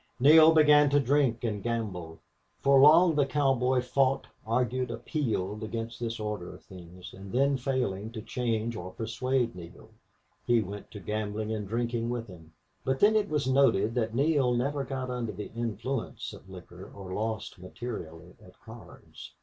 Neale began to drink and gamble. For long the cowboy fought, argued, appealed against this order of things, and then, failing to change or persuade Neale, he went to gambling and drinking with him. But then it was noted that Neale never got under the influence of liquor or lost materially at cards.